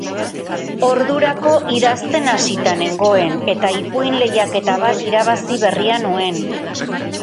Ordurako idazten hasita nengoen, eta ipuin lehiaketa bat irabazi berria nuen.